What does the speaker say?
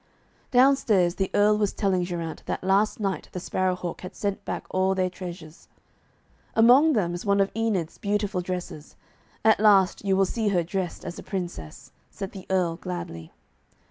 Downstairs the Earl was telling Geraint that last night the Sparrow hawk had sent back all their treasures. 'Among them is one of Enid's beautiful dresses. At last you will see her dressed as a Princess,' said the Earl gladly.